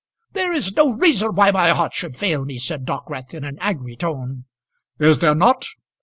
"There is no reason why my heart should fail me," said Dockwrath, in an angry tone. "Is there not?